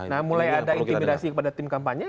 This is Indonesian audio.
nah mulai ada intimidasi kepada tim kampanye